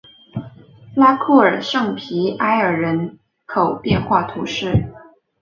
拉库尔圣皮埃尔人口变化图示